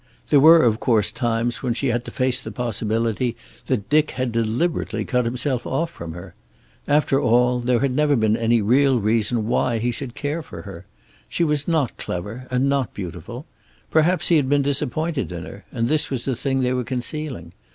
There were, of course, times when she had to face the possibility that Dick had deliberately cut himself off from her. After all, there had never been any real reason why he should care for her. She was not clever and not beautiful. Perhaps he had been disappointed in her, and this was the thing they were concealing.